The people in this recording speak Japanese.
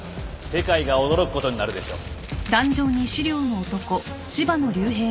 世界が驚くことになるでしょう。